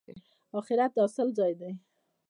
اخرت د حاصل ځای دی